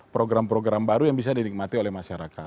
program program baru yang bisa dinikmati oleh masyarakat